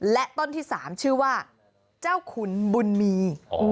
และต้นที่๓ชื่อว่าเจ้าขุนบุญมี